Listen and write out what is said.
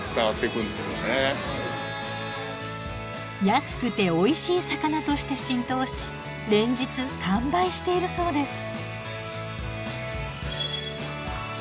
安くておいしい魚として浸透し連日完売しているそうです。